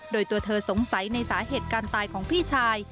โดยตัวเธอสงสัยในสาเหตุการตายของพี่ชาย